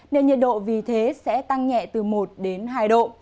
nên nhiệt độ vì thế sẽ tăng nhẹ từ một đến hai độ